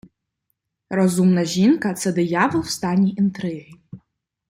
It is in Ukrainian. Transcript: Розумна жінка - це диявол в стані інтриги